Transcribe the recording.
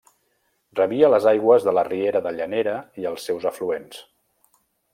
Rebia les aigües de la riera de Llanera i els seus afluents.